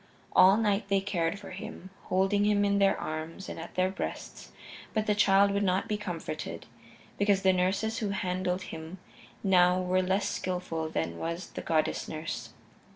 All night they cared for him, holding him in their arms and at their breasts, but the child would not be comforted, becauses the nurses who handled him now were less skillful than was the goddess nurse.